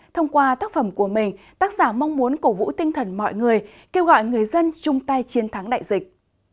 thông qua tác phẩm của mình tác giả mong muốn cổ vũ tinh thần mọi người kêu gọi người dân chung tay chiến thắng đại dịch